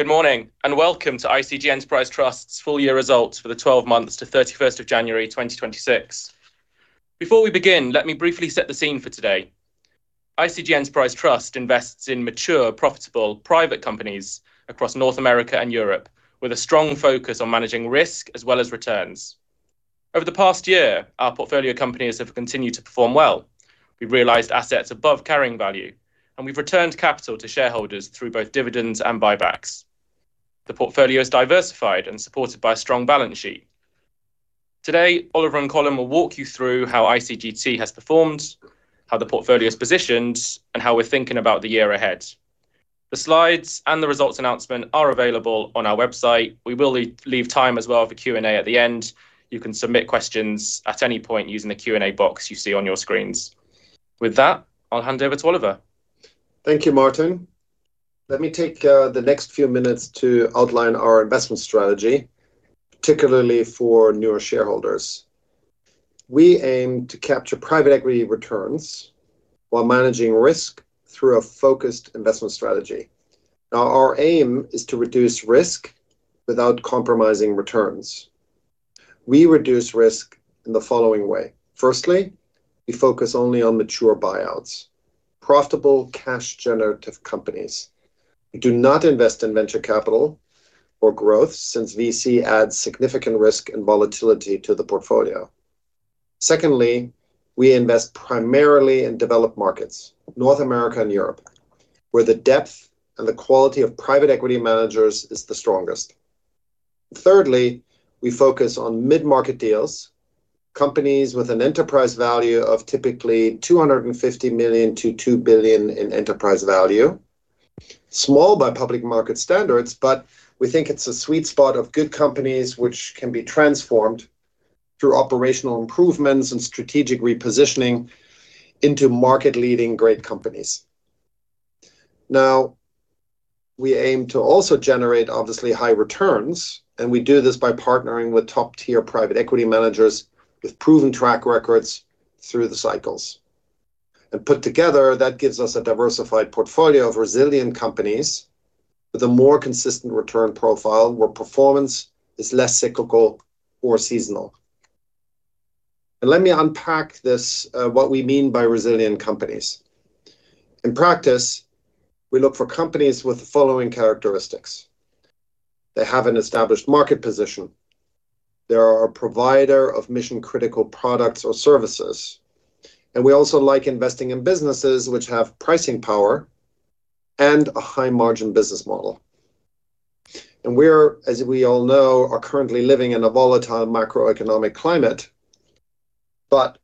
Good morning, and welcome to ICG Enterprise Trust's full year results for the 12 months to January 31, 2026. Before we begin, let me briefly set the scene for today. ICG Enterprise Trust invests in mature, profitable private companies across North America and Europe, with a strong focus on managing risk as well as returns. Over the past year, our portfolio companies have continued to perform well. We realized assets above carrying value, and we've returned capital to shareholders through both dividends and buybacks. The portfolio is diversified and supported by a strong balance sheet. Today, Oliver and Colm will walk you through how ICGT has performed, how the portfolio's positioned, and how we're thinking about the year ahead. The slides and the results announcement are available on our website. We will leave time as well for Q&A at the end. You can submit questions at any point using the Q&A box you see on your screens. With that, I'll hand over to Oliver. Thank you, Martin. Let me take the next few minutes to outline our investment strategy, particularly for newer shareholders. We aim to capture private equity returns while managing risk through a focused investment strategy. Our aim is to reduce risk without compromising returns. We reduce risk in the following way. We focus only on mature buyouts, profitable cash-generative companies. We do not invest in venture capital or growth, since VC adds significant risk and volatility to the portfolio. We invest primarily in developed markets, North America and Europe, where the depth and the quality of private equity managers is the strongest. We focus on mid-market deals, companies with an enterprise value of typically 250 million to 2 billion in enterprise value. Small by public market standards, we think it's a sweet spot of good companies which can be transformed through operational improvements and strategic repositioning into market-leading great companies. Now, we aim to also generate obviously high returns. We do this by partnering with top-tier private equity managers with proven track records through the cycles. Put together, that gives us a diversified portfolio of resilient companies with a more consistent return profile where performance is less cyclical or seasonal. Let me unpack this, what we mean by resilient companies. In practice, we look for companies with the following characteristics. They have an established market position. They are a provider of mission-critical products or services. We also like investing in businesses which have pricing power and a high-margin business model. We're, as we all know, are currently living in a volatile macroeconomic climate, but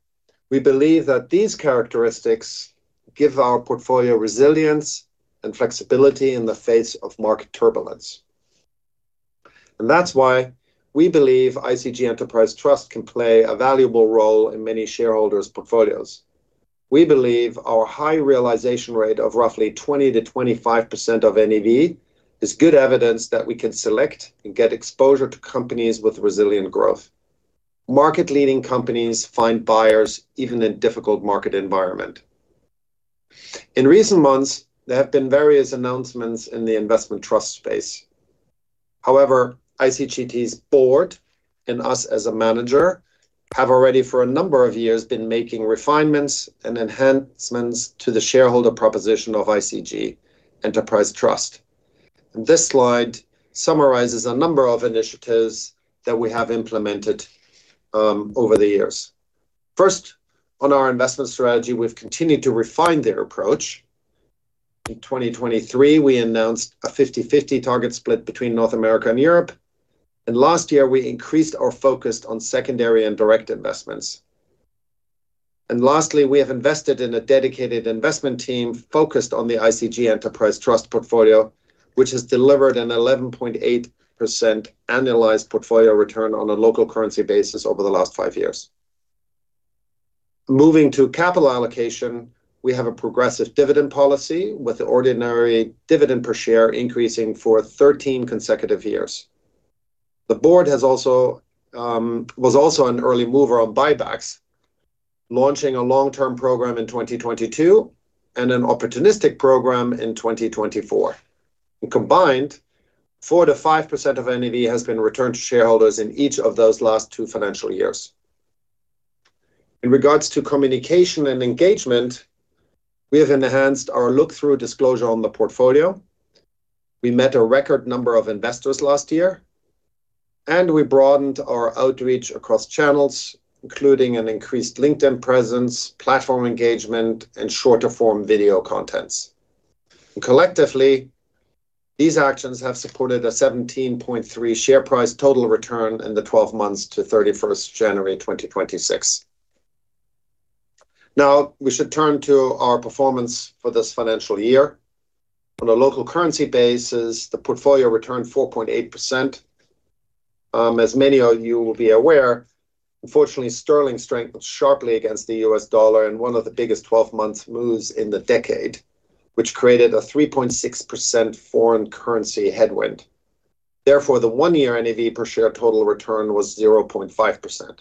we believe that these characteristics give our portfolio resilience and flexibility in the face of market turbulence. That's why we believe ICG Enterprise Trust can play a valuable role in many shareholders' portfolios. We believe our high realization rate of roughly 20%-25% of NAV is good evidence that we can select and get exposure to companies with resilient growth. Market-leading companies find buyers even in difficult market environment. In recent months, there have been various announcements in the investment trust space. However, ICG Enterprise Trust's board, and us as a manager, have already for a number of years been making refinements and enhancements to the shareholder proposition of ICG Enterprise Trust. This slide summarizes a number of initiatives that we have implemented over the years. First, on our investment strategy, we've continued to refine their approach. In 2023, we announced a 50/50 target split between North America and Europe. Last year, we increased our focus on secondary and direct investments. Lastly, we have invested in a dedicated investment team focused on the ICG Enterprise Trust portfolio, which has delivered an 11.8% annualized portfolio return on a local currency basis over the last five years. Moving to capital allocation, we have a progressive dividend policy with the ordinary dividend per share increasing for 13 consecutive years. The board was also an early mover on buybacks, launching a long-term program in 2022 and an opportunistic program in 2024. Combined, 4%-5% of NAV has been returned to shareholders in each of those last two financial years. In regards to communication and engagement, we have enhanced our look-through disclosure on the portfolio. We met a record number of investors last year. We broadened our outreach across channels, including an increased LinkedIn presence, platform engagement, and shorter-form video contents. Collectively, these actions have supported a 17.3 share price total return in the 12 months to January 31st, 2026. We should turn to our performance for this financial year. On a local currency basis, the portfolio returned 4.8%. As many of you will be aware, unfortunately, sterling strengthened sharply against the U.S. dollar in one of the biggest 12-month moves in the decade, which created a 3.6% foreign currency headwind. Therefore, the one-year NAV per share total return was 0.5%.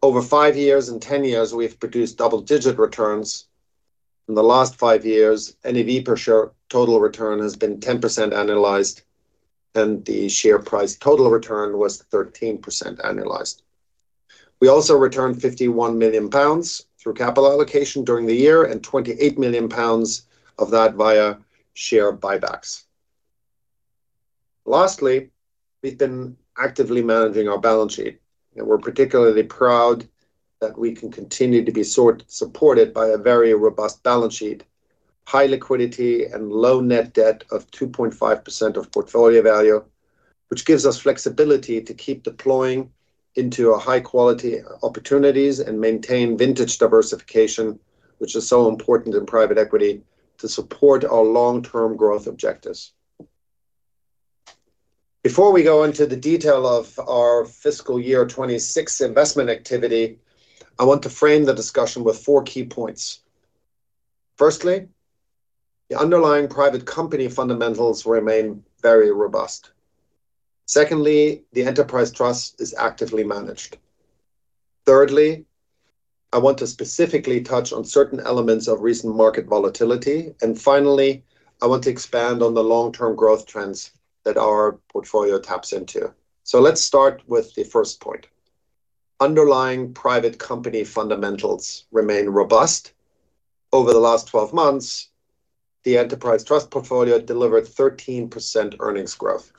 Over five years and 10 years, we've produced double-digit returns. In the last five years, NAV per share total return has been 10% annualized, and the share price total return was 13% annualized. We also returned 51 million pounds through capital allocation during the year and 28 million pounds of that via share buybacks. Lastly, we've been actively managing our balance sheet, and we're particularly proud that we can continue to be supported by a very robust balance sheet, high liquidity and low net debt of 2.5% of portfolio value, which gives us flexibility to keep deploying into our high-quality opportunities and maintain vintage diversification, which is so important in private equity to support our long-term growth objectives. Before we go into the detail of our fiscal year 26 investment activity, I want to frame the discussion with four key points. Firstly, the underlying private company fundamentals remain very robust. Secondly, the Enterprise Trust is actively managed. Thirdly, I want to specifically touch on certain elements of recent market volatility. Finally, I want to expand on the long-term growth trends that our portfolio taps into. Let's start with the first point. Underlying private company fundamentals remain robust. Over the last 12 months, the Enterprise Trust portfolio delivered 13% earnings growth.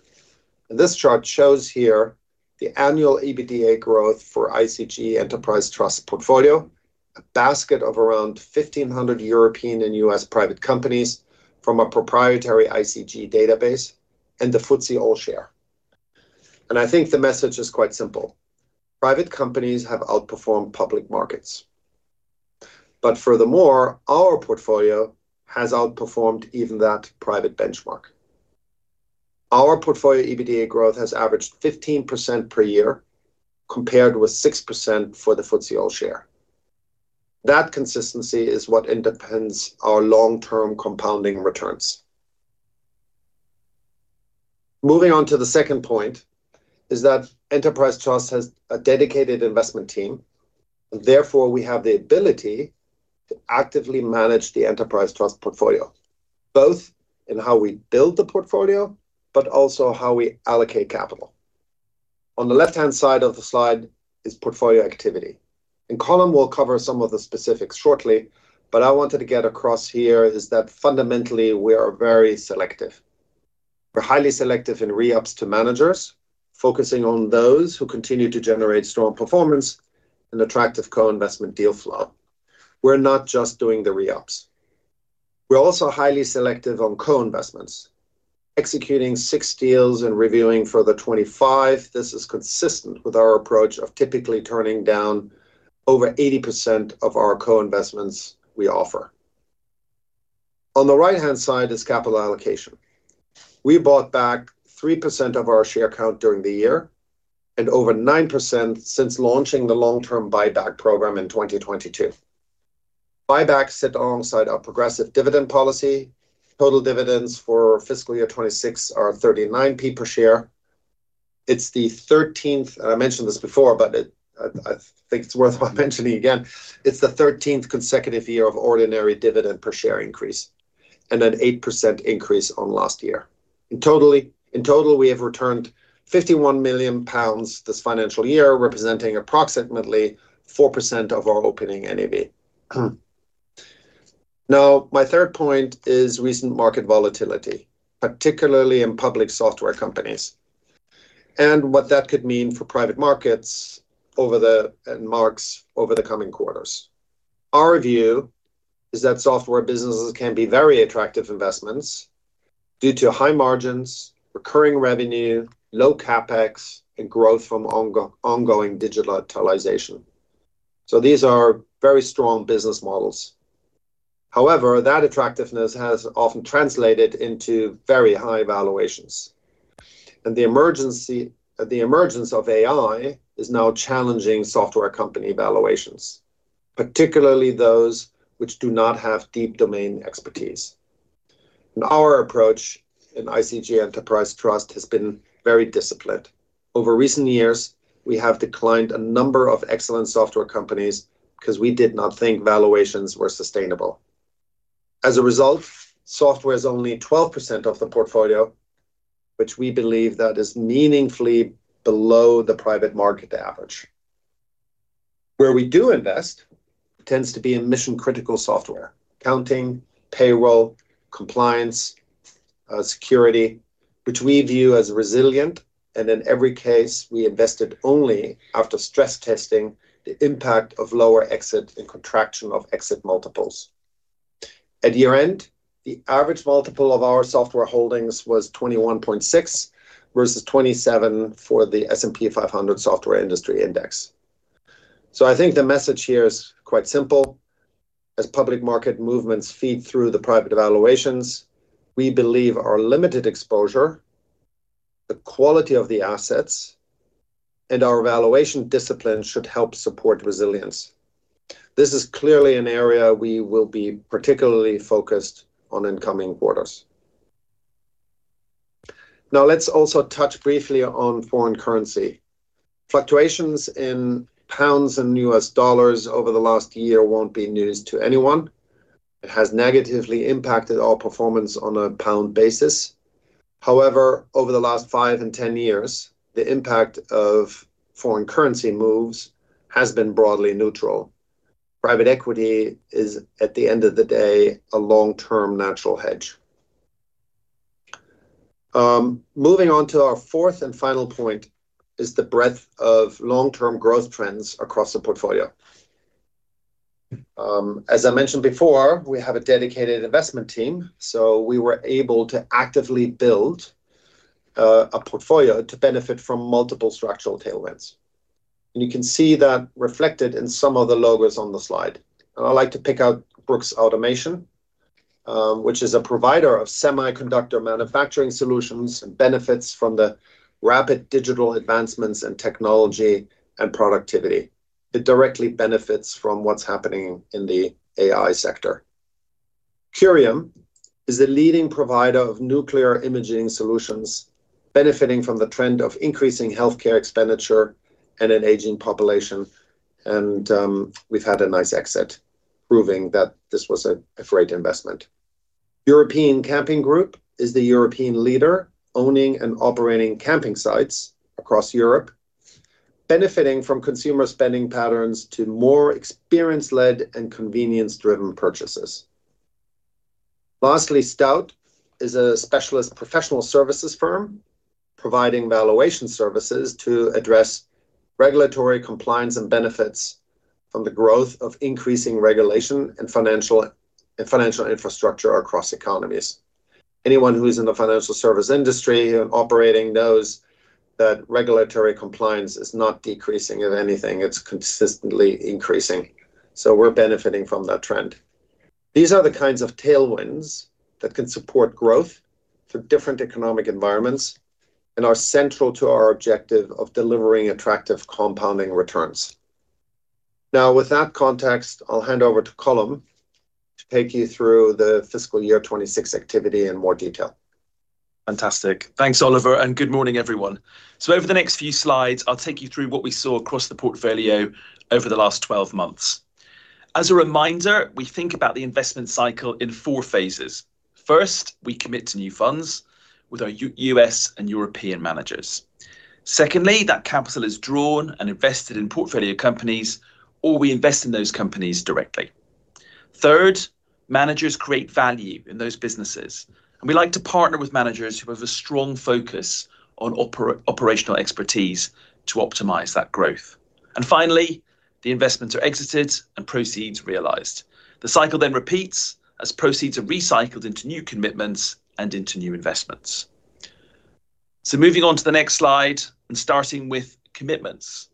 This chart shows here the annual EBITDA growth for ICG Enterprise Trust portfolio, a basket of around 1,500 European and U.S. private companies from a proprietary ICG database and the FTSE All-Share. I think the message is quite simple. Private companies have outperformed public markets. Furthermore, our portfolio has outperformed even that private benchmark. Our portfolio EBITDA growth has averaged 15% per year, compared with 6% for the FTSE All-Share. That consistency is what underpins our long-term compounding returns. Moving on to the second point is that Enterprise Trust has a dedicated investment team. Therefore, we have the ability to actively manage the ICG Enterprise Trust portfolio, both in how we build the portfolio, but also how we allocate capital. On the left-hand side of the slide is portfolio activity. Colm will cover some of the specifics shortly, but I wanted to get across here is that fundamentally, we are very selective. We're highly selective in re-ups to managers, focusing on those who continue to generate strong performance and attractive co-investment deal flow. We're not just doing the re-ups. We're also highly selective on co-investments, executing six deals and reviewing further 25. This is consistent with our approach of typically turning down over 80% of our co-investments we offer. On the right-hand side is capital allocation. We bought back 3% of our share count during the year and over 9% since launching the long-term buyback program in 2022. Buybacks sit alongside our progressive dividend policy. Total dividends for fiscal year 2026 are 0.39 per share. It's the 13th, and I mentioned this before, but I think it's worthwhile mentioning again. It's the 13th consecutive year of ordinary dividend per share increase, and an 8% increase on last year. In total, we have returned 51 million pounds this financial year, representing approximately 4% of our opening NAV. My third point is recent market volatility, particularly in public software companies, and what that could mean for private markets and marks over the coming quarters. Our view is that software businesses can be very attractive investments due to high margins, recurring revenue, low CapEx, and growth from ongoing digitalization. These are very strong business models. However, that attractiveness has often translated into very high valuations. The emergence of AI is now challenging software company valuations, particularly those which do not have deep domain expertise. Our approach in ICG Enterprise Trust has been very disciplined. Over recent years, we have declined a number of excellent software companies because we did not think valuations were sustainable. As a result, software is only 12% of the portfolio, which we believe that is meaningfully below the private market average. Where we do invest tends to be in mission-critical software, accounting, payroll, compliance, security, which we view as resilient. In every case, we invested only after stress testing the impact of lower exit and contraction of exit multiples. At year-end, the average multiple of our software holdings was 21.6x versus 27x for the S&P 500 software industry index. I think the message here is quite simple. As public market movements feed through the private valuations, we believe our limited exposure, the quality of the assets, and our valuation discipline should help support resilience. This is clearly an area we will be particularly focused on in coming quarters. Let's also touch briefly on foreign currency. Fluctuations in GBP and USD over the last year won't be news to anyone. It has negatively impacted our performance on a GBP basis. However, over the last 5 years and 10 years, the impact of foreign currency moves has been broadly neutral. Private equity is, at the end of the day, a long-term natural hedge. Moving on to our fourth and final point is the breadth of long-term growth trends across the portfolio. As I mentioned before, we have a dedicated investment team, so we were able to actively build a portfolio to benefit from multiple structural tailwinds. You can see that reflected in some of the logos on the slide. I'd like to pick out Brooks Automation, which is a provider of semiconductor manufacturing solutions and benefits from the rapid digital advancements in technology and productivity. It directly benefits from what's happening in the AI sector. Curium is a leading provider of nuclear imaging solutions, benefiting from the trend of increasing healthcare expenditure and an aging population. We've had a nice exit, proving that this was a great investment. European Camping Group is the European leader, owning and operating camping sites across Europe, benefiting from consumer spending patterns to more experience-led and convenience-driven purchases. Stout is a specialist professional services firm providing valuation services to address regulatory compliance and benefits from the growth of increasing regulation and financial infrastructure across economies. Anyone who is in the financial services industry and operating knows that regulatory compliance is not decreasing. If anything, it's consistently increasing. We're benefiting from that trend. These are the kinds of tailwinds that can support growth for different economic environments and are central to our objective of delivering attractive compounding returns. With that context, I'll hand over to Colm to take you through the fiscal year 2026 activity in more detail. Fantastic. Thanks, Oliver, and good morning, everyone. Over the next few slides, I'll take you through what we saw across the portfolio over the last 12 months. As a reminder, we think about the investment cycle in four phases. First, we commit to new funds with our U.S. and European managers. Secondly, that capital is drawn and invested in portfolio companies, or we invest in those companies directly. Third, managers create value in those businesses, and we like to partner with managers who have a strong focus on operational expertise to optimize that growth. Finally, the investments are exited and proceeds realized. The cycle then repeats as proceeds are recycled into new commitments and into new investments. Moving on to the next slide and starting with commitments.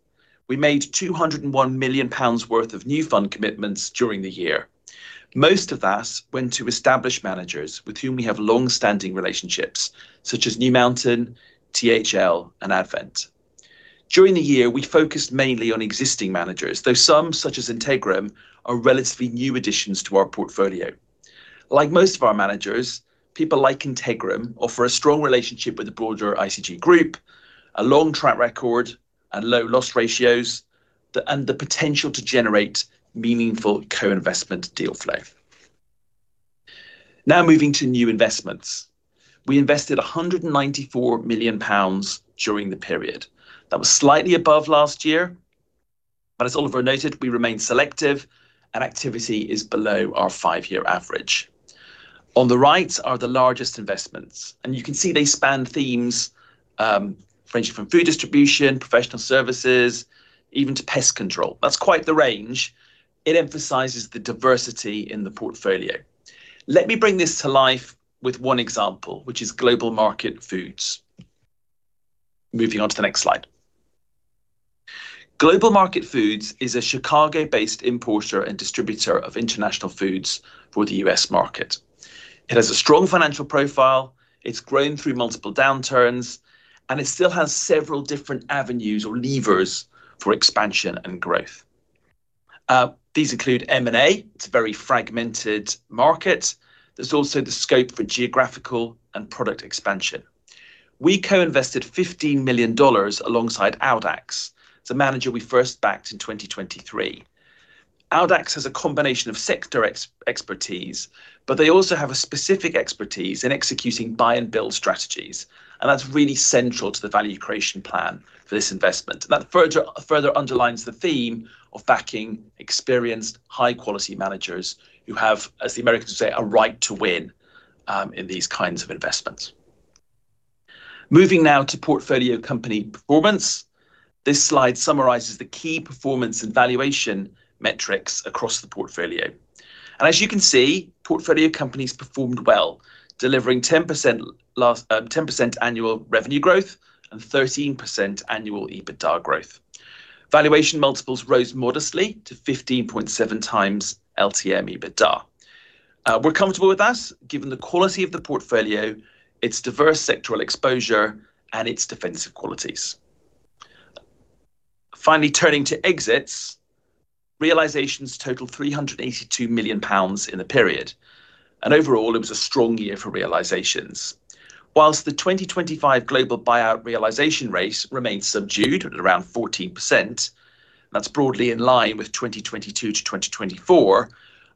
We made 201 million pounds worth of new fund commitments during the year. Most of that went to established managers with whom we have longstanding relationships, such as New Mountain, THL, and Advent. During the year, we focused mainly on existing managers, though some, such as Integram, are relatively new additions to our portfolio. Like most of our managers, people like Integram offer a strong relationship with the broader ICG group, a long track record and low loss ratios, and the potential to generate meaningful co-investment deal flow. Moving to new investments. We invested 194 million pounds during the period. That was slightly above last year. As Oliver noted, we remain selective, and activity is below our 5 year average. On the right are the largest investments. You can see they span themes ranging from food distribution, professional services, even to pest control. That's quite the range. It emphasizes the diversity in the portfolio. Let me bring this to life with one example, which is Global Market Foods. Moving on to the next slide. Global Market Foods is a Chicago-based importer and distributor of international foods for the U.S. market. It has a strong financial profile. It's grown through multiple downturns, and it still has several different avenues or levers for expansion and growth. These include M&A. It's a very fragmented market. There's also the scope for geographical and product expansion. We co-invested $15 million alongside Audax. It's a manager we first backed in 2023. Audax has a combination of sector expertise, but they also have a specific expertise in executing buy and build strategies, and that's really central to the value creation plan for this investment. That further underlines the theme of backing experienced high-quality managers who have, as the Americans say, a right to win in these kinds of investments. Moving now to portfolio company performance. This slide summarizes the key performance and valuation metrics across the portfolio. As you can see, portfolio companies performed well, delivering 10% annual revenue growth and 13% annual EBITDA growth. Valuation multiples rose modestly to 15.7x LTM EBITDA. We're comfortable with that given the quality of the portfolio, its diverse sectoral exposure, and its defensive qualities. Finally, turning to exits. Realizations totaled 382 million pounds in the period, and overall it was a strong year for realizations. Whilst the 2025 global buyout realization rate remained subdued at around 14%, that's broadly in line with 2022-2024,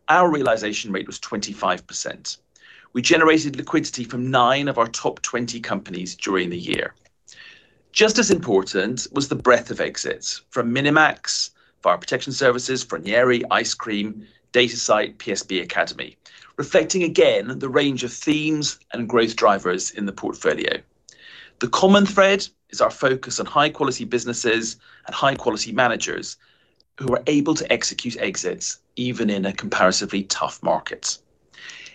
our realization rate was 25%. We generated liquidity from 9 of our top 20 companies during the year. Just as important was the breadth of exits from Minimax, Fire Protection Services, Froneri Ice Cream, Datasite, PSB Academy, reflecting again the range of themes and growth drivers in the portfolio. The common thread is our focus on high-quality businesses and high-quality managers who are able to execute exits even in a comparatively tough market.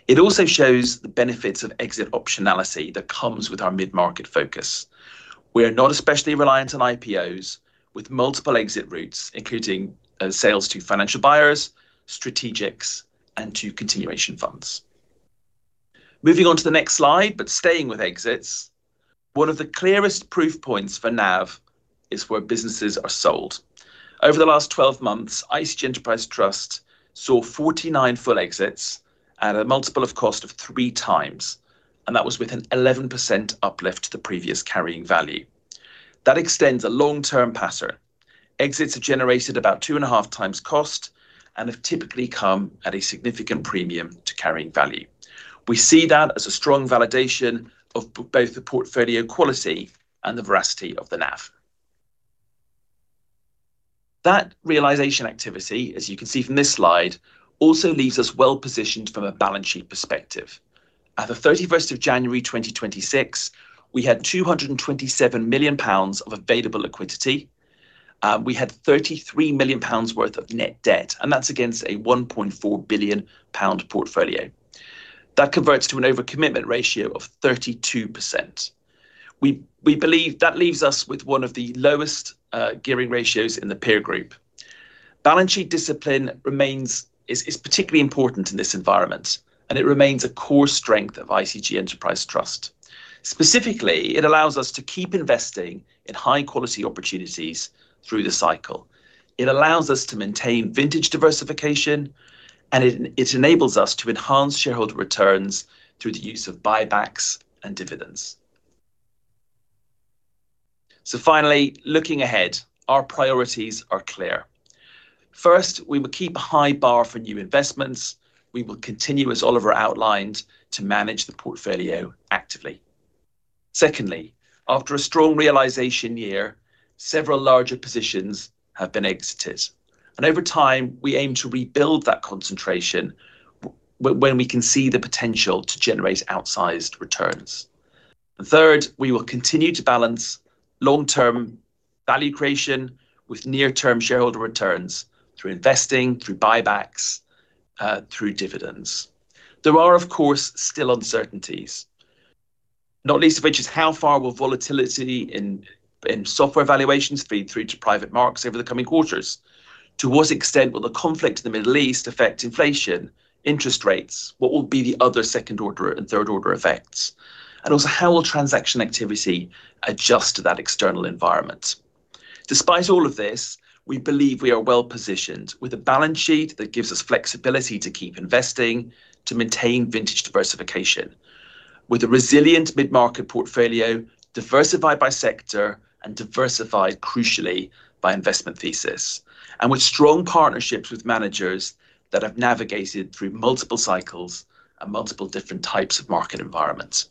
It also shows the benefits of exit optionality that comes with our mid-market focus. We are not especially reliant on IPOs with multiple exit routes, including sales to financial buyers, strategics, and to continuation funds. Moving on to the next slide, staying with exits, one of the clearest proof points for NAV is where businesses are sold. Over the last 12 months, ICG Enterprise Trust saw 49 full exits at a multiple of cost of 3x, and that was with an 11% uplift to the previous carrying value. That extends a long-term pattern. Exits have generated about 2.5x cost and have typically come at a significant premium to carrying value. We see that as a strong validation of both the portfolio quality and the veracity of the NAV. That realization activity, as you can see from this slide, also leaves us well-positioned from a balance sheet perspective. At the January 31st, 2026, we had 227 million pounds of available liquidity. We had 33 million pounds worth of net debt, and that's against a 1.4 billion pound portfolio. That converts to an overcommitment ratio of 32%. We believe that leaves us with one of the lowest gearing ratios in the peer group. Balance sheet discipline remains particularly important in this environment, and it remains a core strength of ICG Enterprise Trust. Specifically, it allows us to keep investing in high-quality opportunities through the cycle. It allows us to maintain vintage diversification, and it enables us to enhance shareholder returns through the use of buybacks and dividends. Finally, looking ahead, our priorities are clear. First, we will keep a high bar for new investments. We will continue, as Oliver outlined, to manage the portfolio actively. Secondly, after a strong realization year, several larger positions have been exited. Over time, we aim to rebuild that concentration when we can see the potential to generate outsized returns. Third, we will continue to balance long-term value creation with near-term shareholder returns through investing, through buybacks, through dividends. There are, of course, still uncertainties, not least of which is how far will volatility in software valuations feed through to private markets over the coming quarters? To what extent will the conflict in the Middle East affect inflation, interest rates? What will be the other second-order and third-order effects? How will transaction activity adjust to that external environment? Despite all of this, we believe we are well-positioned with a balance sheet that gives us flexibility to keep investing, to maintain vintage diversification. With a resilient mid-market portfolio, diversified by sector and diversified, crucially, by investment thesis, and with strong partnerships with managers that have navigated through multiple cycles and multiple different types of market environments.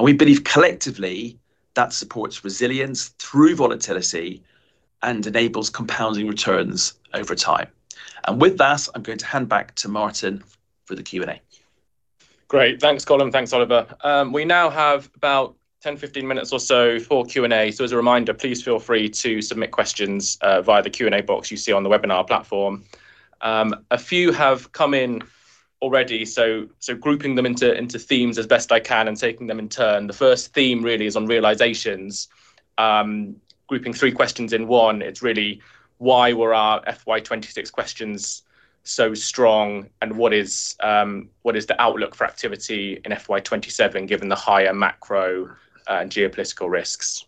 We believe collectively that supports resilience through volatility and enables compounding returns over time. With that, I'm going to hand back to Martin for the Q&A. Great. Thanks, Colm. Thanks, Oliver. We now have about 10, 15 minutes or so for Q&A. As a reminder, please feel free to submit questions via the Q&A box you see on the webinar platform. A few have come in already, grouping them into themes as best I can and taking them in turn. The first theme really is on realizations. Grouping three questions in one, it's really why were our FY 2026 questions so strong and what is the outlook for activity in FY 2027 given the higher macro and geopolitical risks?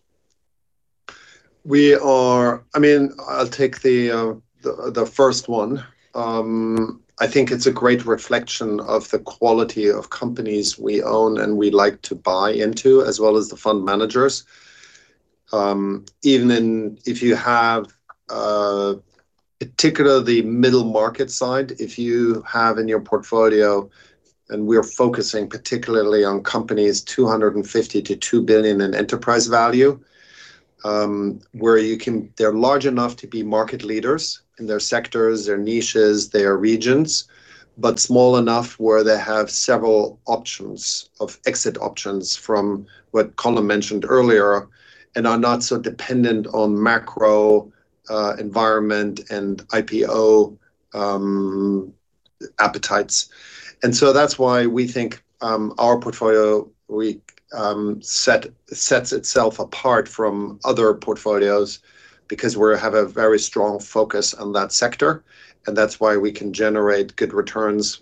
We are I mean, I'll take the first one. I think it's a great reflection of the quality of companies we own and we like to buy into as well as the fund managers. Even in if you have, particularly the middle market side, if you have in your portfolio, and we're focusing particularly on companies 250 million to 2 billion in enterprise value, where you can they're large enough to be market leaders in their sectors, their niches, their regions, but small enough where they have several options of exit options from what Colm mentioned earlier and are not so dependent on macro environment and IPO appetites. That's why we think our portfolio sets itself apart from other portfolios because we have a very strong focus on that sector and that's why we can generate good returns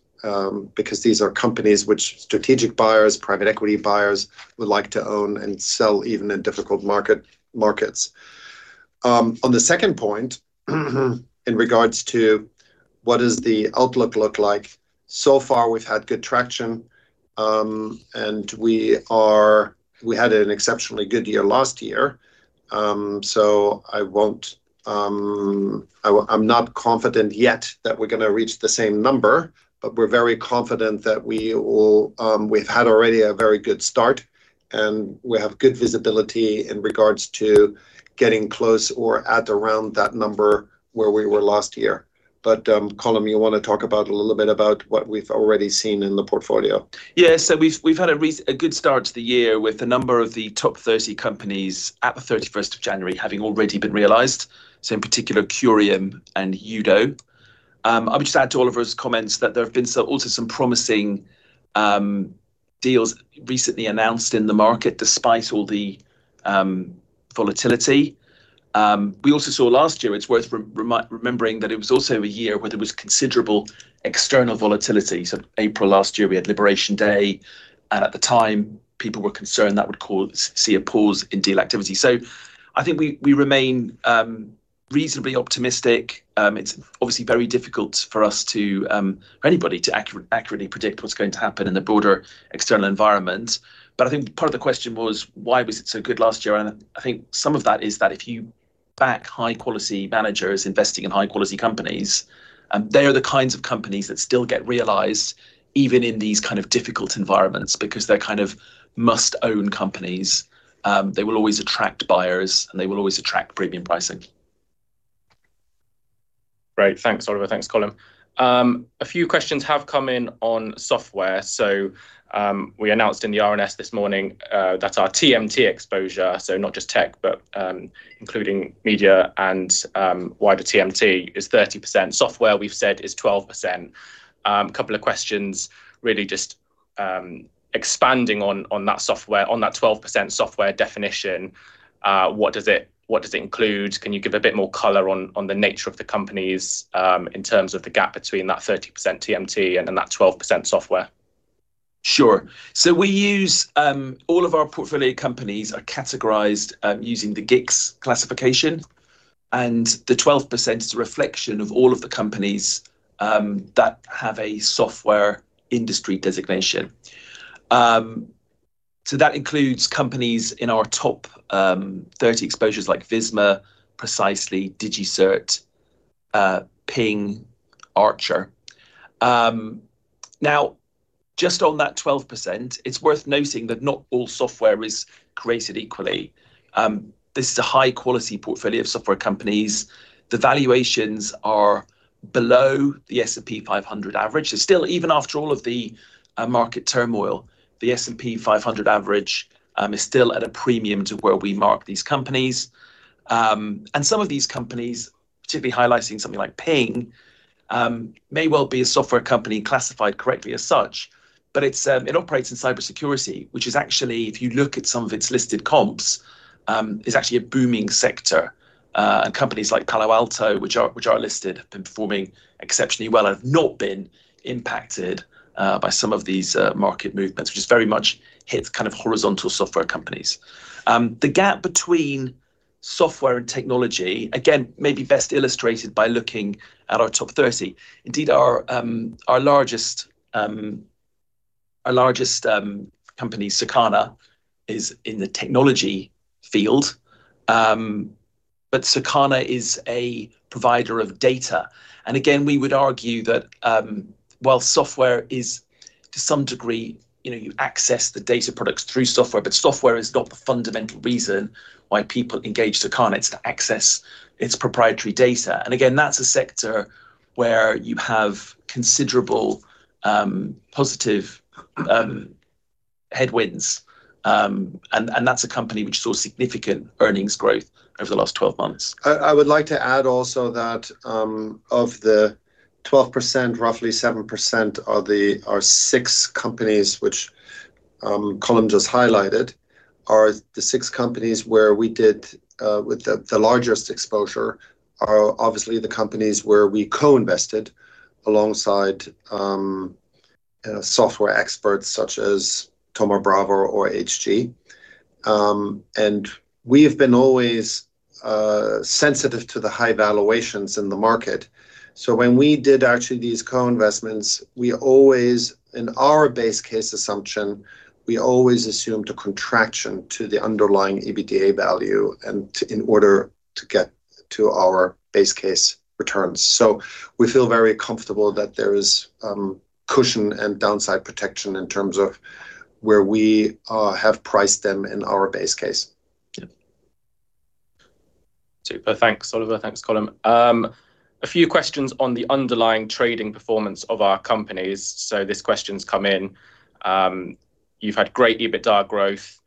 because these are companies which strategic buyers, private equity buyers would like to own and sell even in difficult markets. On the second point, in regards to what is the outlook look like, so far we've had good traction. We had an exceptionally good year last year. So I won't I'm not confident yet that we're gonna reach the same number. We're very confident that we will. We've had already a very good start, and we have good visibility in regards to getting close or at around that number where we were last year. Colm, you wanna talk about, a little bit about what we've already seen in the portfolio? Yeah. We've had a good start to the year with a number of the top 30 companies at the 31st of January having already been realized. In particular, Curium and Yudo. I'll just add to Oliver's comments that there have been also some promising deals recently announced in the market despite all the volatility. We also saw last year, it's worth remembering that it was also a year where there was considerable external volatility. April last year, we had Liberation Day. At the time, people were concerned that would cause, see a pause in deal activity. I think we remain reasonably optimistic. It's obviously very difficult for us to for anybody to accurately predict what's going to happen in the broader external environment. I think part of the question was why was it so good last year. I think some of that is that if you back high-quality managers investing in high-quality companies, they are the kinds of companies that still get realized even in these kind of difficult environments because they're kind of must-own companies. They will always attract buyers, and they will always attract premium pricing. Great. Thanks, Oliver. Thanks, Colm. A few questions have come in on software. We announced in the RNS this morning that our TMT exposure, so not just tech, but including media and wider TMT, is 30%. Software, we've said, is 12%. Couple of questions really just expanding on that software, on that 12% software definition. What does it include? Can you give a bit more color on the nature of the companies, in terms of the gap between that 30% TMT and then that 12% software? Sure. All of our portfolio companies are categorized using the GICS classification, and the 12% is a reflection of all of the companies that have a software industry designation. That includes companies in our top 30 exposures like Visma, Precisely, DigiCert, Ping, Archer. Now just on that 12%, it's worth noting that not all software is created equally. This is a high-quality portfolio of software companies. The valuations are below the S&P 500 average. Still, even after all of the market turmoil, the S&P 500 average is still at a premium to where we mark these companies. Some of these companies, particularly highlighting something like Ping, may well be a software company classified correctly as such, but it operates in cybersecurity, which is actually, if you look at some of its listed comps, is actually a booming sector. Companies like Palo Alto, which are listed, have been performing exceptionally well, have not been impacted by some of these market movements, which has very much hit kind of horizontal software companies. The gap between software and technology, again, may be best illustrated by looking at our top 30. Indeed, our largest company, Circana, is in the technology field. Circana is a provider of data. Again, we would argue that, while software is to some degree, you know, you access the data products through software, but software is not the fundamental reason why people engage Circana. It's to access its proprietary data. Again, that's a sector where you have considerable, positive, headwinds. That's a company which saw significant earnings growth over the last 12 months. I would like to add also that, of the 12%, roughly 7% are six companies which Colm just highlighted, are the six companies where we did with the largest exposure are obviously the companies where we co-invested alongside software experts such as Thoma Bravo or Hg. We have been always sensitive to the high valuations in the market. When we did actually these co-investments, we always, in our base case assumption, we always assumed a contraction to the underlying EBITDA value and in order to get to our base case returns. We feel very comfortable that there is cushion and downside protection in terms of where we have priced them in our base case. Yeah. Super. Thanks, Oliver. Thanks, Colm. A few questions on the underlying trading performance of our companies. This question's come in. You've had great EBITDA growth,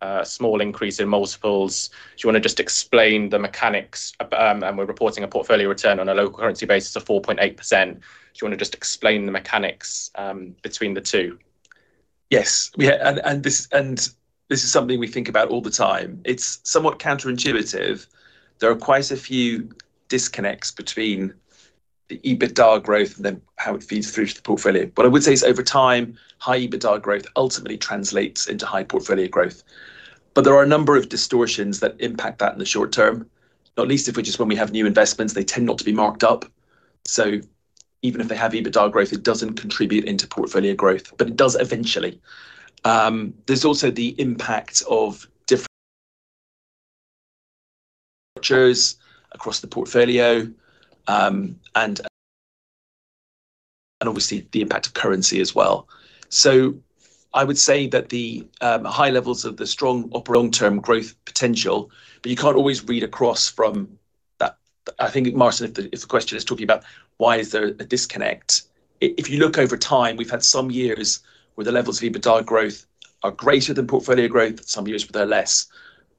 a small increase in multiples. Do you wanna just explain the mechanics, and we're reporting a portfolio return on a local currency basis of 4.8%. Do you wanna just explain the mechanics between the two? Yes. Yeah. This is something we think about all the time. It's somewhat counterintuitive. There are quite a few disconnects between the EBITDA growth and then how it feeds through to the portfolio. What I would say is over time, high EBITDA growth ultimately translates into high portfolio growth. There are a number of distortions that impact that in the short term. Not least of which is when we have new investments, they tend not to be marked up. Even if they have EBITDA growth, it doesn't contribute into portfolio growth, but it does eventually. There's also the impact of different structures across the portfolio, and obviously the impact of currency as well. I would say that the high levels of the strong long-term growth potential, you can't always read across from that I think, Martin, if the question is talking about why is there a disconnect, if you look over time, we've had some years where the levels of EBITDA growth are greater than portfolio growth, some years where they're less.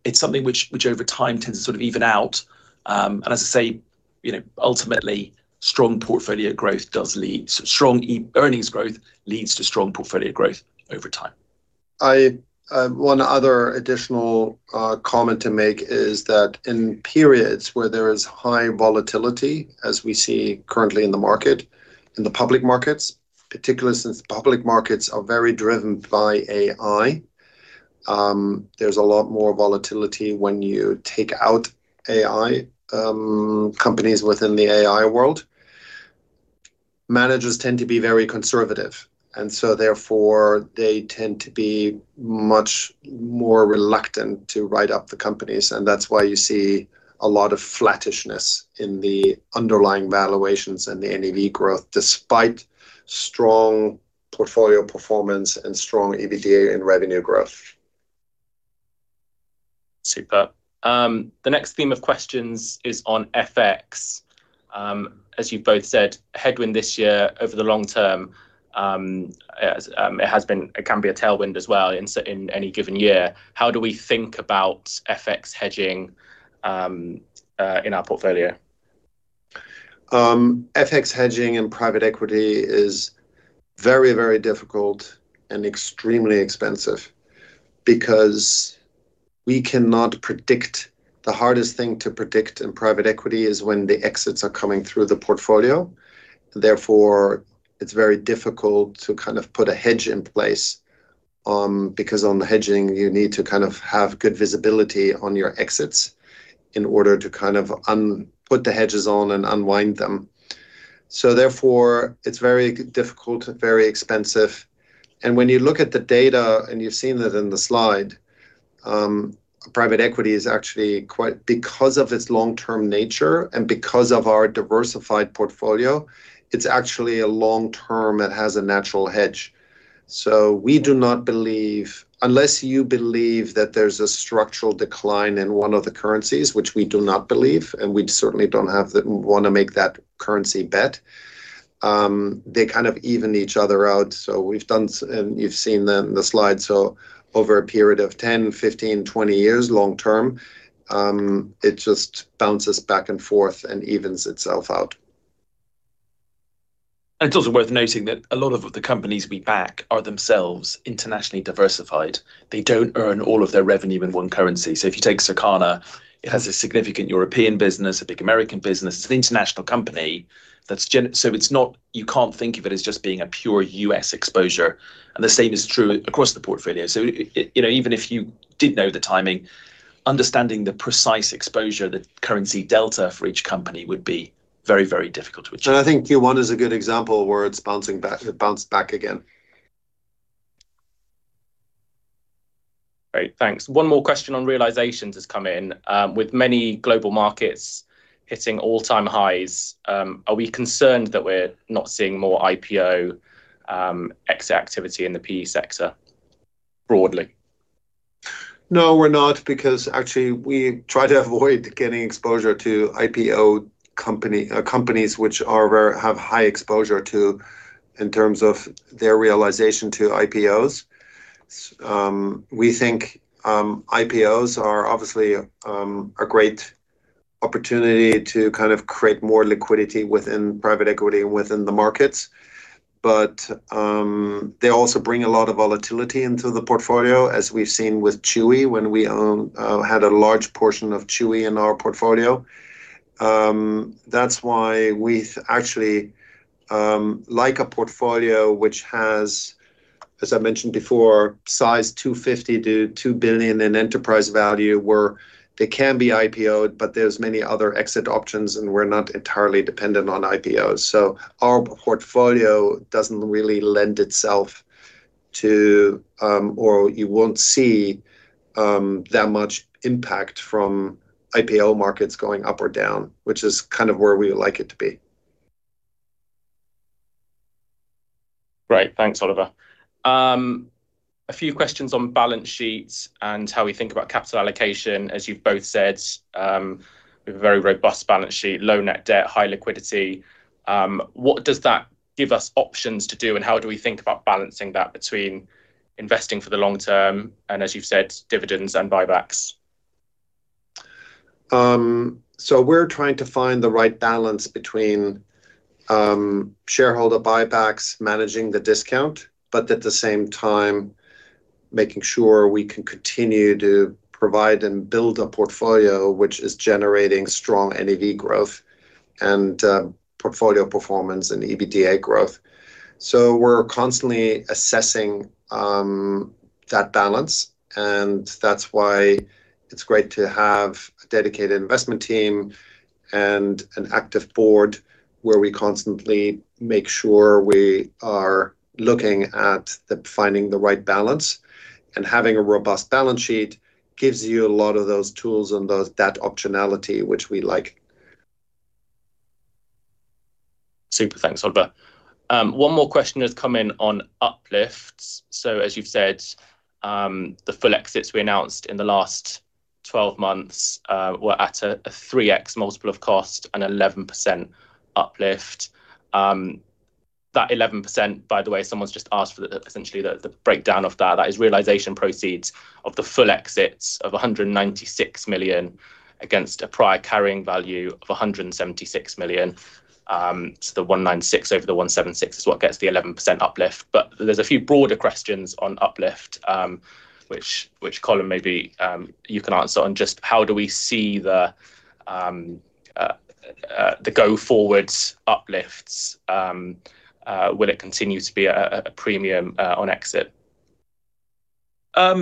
It's something which over time tends to sort of even out. As I say, you know, ultimately, strong portfolio growth does lead strong earnings growth leads to strong portfolio growth over time. One other additional comment to make is that in periods where there is high volatility, as we see currently in the market, in the public markets, particularly since public markets are very driven by AI, there's a lot more volatility when you take out AI companies within the AI world. Managers tend to be very conservative, and so therefore they tend to be much more reluctant to write up the companies, and that's why you see a lot of flattishness in the underlying valuations and the NAV growth, despite strong portfolio performance and strong EBITDA and revenue growth. Super. The next theme of questions is on FX. As you've both said, headwind this year. Over the long term, it can be a tailwind as well in any given year. How do we think about FX hedging in our portfolio? FX hedging in private equity is very difficult and extremely expensive because we cannot predict. The hardest thing to predict in private equity is when the exits are coming through the portfolio. It's very difficult to kind of put a hedge in place, because on the hedging you need to kind of have good visibility on your exits in order to kind of put the hedges on and unwind them. It's very difficult, very expensive. When you look at the data, and you've seen that in the slide, private equity is actually quite. Because of its long-term nature and because of our diversified portfolio, it's actually a long-term, it has a natural hedge. We do not believe Unless you believe that there's a structural decline in one of the currencies, which we do not believe, and we certainly don't have the wanna make that currency bet, they kind of even each other out. You've seen that in the slide. Over a period of 10, 15, 20 years, long term, it just bounces back and forth and evens itself out. It's also worth noting that a lot of the companies we back are themselves internationally diversified. They don't earn all of their revenue in one currency. If you take Circana, it has a significant European business, a big American business. It's an international company. You can't think of it as just being a pure U.S. exposure, and the same is true across the portfolio. You know, even if you did know the timing, understanding the precise exposure, the currency delta for each company would be very, very difficult to achieve. I think Q1 is a good example where it's bouncing back, it bounced back again. Great. Thanks. One more question on realizations has come in. With many global markets hitting all-time highs, are we concerned that we're not seeing more IPO exit activity in the PE sector broadly? No, we're not, because actually we try to avoid getting exposure to IPO company, companies which are very have high exposure to, in terms of their realization to IPOs. We think IPOs are obviously a great opportunity to kind of create more liquidity within private equity and within the markets. They also bring a lot of volatility into the portfolio, as we've seen with Chewy when we had a large portion of Chewy in our portfolio. That's why we actually like a portfolio which has, as I mentioned before, size 250 million to 2 billion in enterprise value, where they can be IPO'd, but there's many other exit options, and we're not entirely dependent on IPOs. Our portfolio doesn't really lend itself to, or you won't see, that much impact from IPO markets going up or down, which is kind of where we would like it to be. Great. Thanks, Oliver. A few questions on balance sheets and how we think about capital allocation. As you've both said, we have a very robust balance sheet, low net debt, high liquidity. What does that give us options to do, and how do we think about balancing that between investing for the long term and, as you've said, dividends and buybacks? So we're trying to find the right balance between shareholder buybacks, managing the discount, but at the same time, making sure we can continue to provide and build a portfolio which is generating strong NAV growth and portfolio performance and EBITDA growth. So we're constantly assessing that balance, that's why it's great to have a dedicated investment team and an active board where we constantly make sure we are looking at finding the right balance. Having a robust balance sheet gives you a lot of those tools and that optionality, which we like. Super. Thanks, Oliver. One more question has come in on uplifts. As you've said, the full exits we announced in the last 12 months were at a 3x multiple of cost and 11% uplift. That 11%, by the way, someone's just asked for the breakdown of that. That is realization proceeds of the full exits of 196 million against a prior carrying value of 176 million. The 196 over the 176 is what gets the 11% uplift. There's a few broader questions on uplift, which Colm maybe you can answer on just how do we see the go forwards uplifts, will it continue to be a premium on exit? I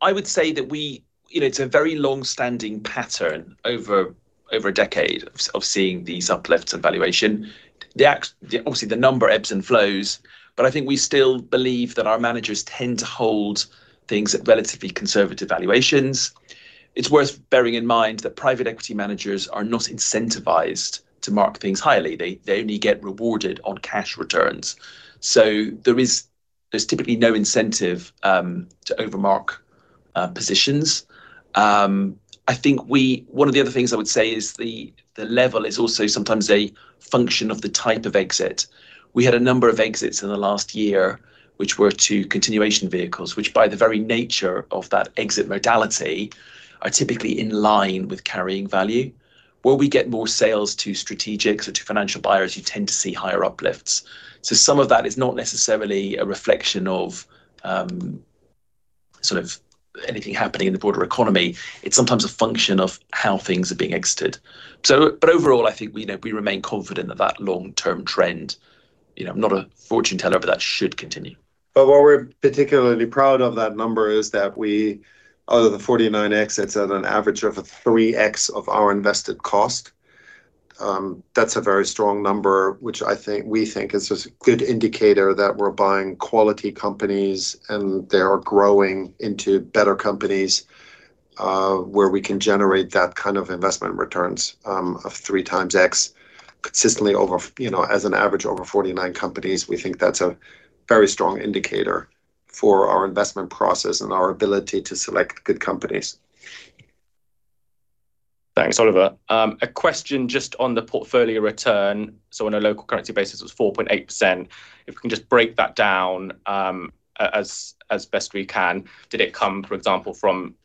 would say that we, you know, it's a very long-standing pattern over a decade of seeing these uplifts and valuation. The obviously the number ebbs and flows, but I think we still believe that our managers tend to hold things at relatively conservative valuations. They only get rewarded on cash returns. There's typically no incentive to over-mark positions. I think One of the other things I would say is the level is also sometimes a function of the type of exit. We had a number of exits in the last year, which were to continuation vehicles, which by the very nature of that exit modality, are typically in line with carrying value. Where we get more sales to strategics or to financial buyers, you tend to see higher uplifts. Some of that is not necessarily a reflection of, sort of anything happening in the broader economy, it's sometimes a function of how things are being exited. Overall, I think we know, we remain confident that that long-term trend, you know, I'm not a fortune teller, but that should continue. What we're particularly proud of that number is that we, out of the 49 exits at an average of a 3x of our invested cost, that's a very strong number, which I think, we think is a good indicator that we're buying quality companies, and they are growing into better companies, where we can generate that kind of investment returns, of 3x consistently over you know, as an average over 49 companies. We think that's a very strong indicator for our investment process and our ability to select good companies. Thanks, Oliver. A question just on the portfolio return. On a local currency basis, it was 4.8%. If we can just break that down, as best we can. Did it come, for example, from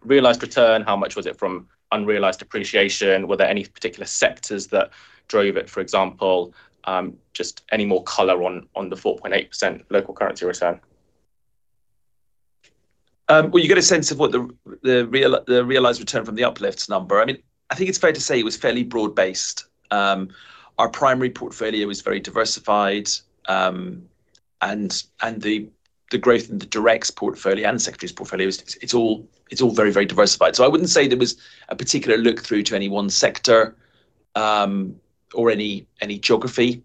realized return? How much was it from unrealized appreciation? Were there any particular sectors that drove it, for example, just any more color on the 4.8% local currency return? Well, you get a sense of what the realized return from the uplifts number. I mean, I think it's fair to say it was fairly broad-based. Our primary portfolio is very diversified, and the growth in the directs portfolio and secondaries portfolio is it's all very diversified. I wouldn't say there was a particular look through to any one sector or any geography.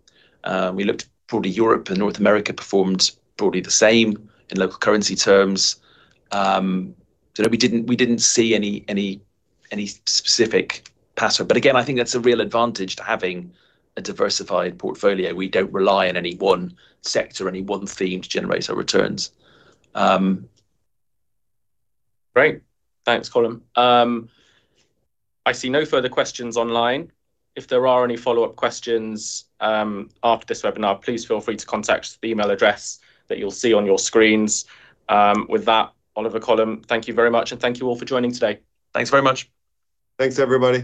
We looked broadly Europe and North America performed broadly the same in local currency terms. We didn't see any specific pattern. Again, I think that's a real advantage to having a diversified portfolio. We don't rely on any one sector or any one theme to generate our returns. Great. Thanks, Colm. I see no further questions online. If there are any follow-up questions, after this webinar, please feel free to contact the email address that you'll see on your screens. With that, Oliver, Colm, thank you very much, and thank you all for joining today. Thanks very much. Thanks, everybody.